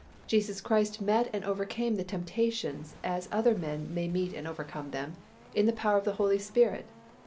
Jesus Christ met and overcame temptations as other men may meet and overcome them, in the power of the Holy Spirit.